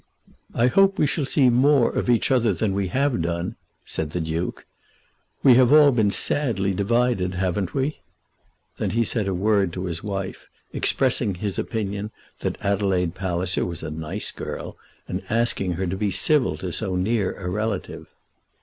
"I hope we shall see more of each other than we have done," said the Duke. "We have all been sadly divided, haven't we?" Then he said a word to his wife, expressing his opinion that Adelaide Palliser was a nice girl, and asking her to be civil to so near a relative.